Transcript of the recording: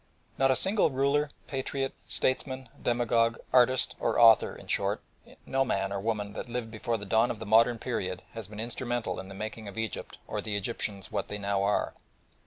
Not a single ruler, patriot, statesman, demagogue, artist or author, in short, no man or woman that lived before the dawn of the modern period, has been instrumental in the making of Egypt or the Egyptians what they now are.